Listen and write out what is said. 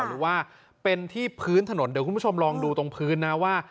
หรือว่าเป็นที่พื้นถนนเดี๋ยวคุณผู้ชมลองดูตรงพื้นนะว่า